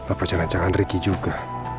apa jangan jangan ricky juga